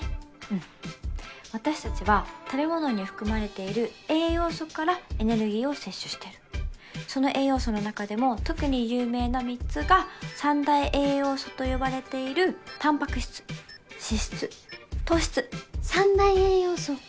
うん私達は食べ物に含まれている栄養素からエネルギーを摂取してるその栄養素の中でも特に有名な３つが三大栄養素と呼ばれている三大栄養素